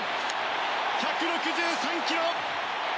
１６３キロ！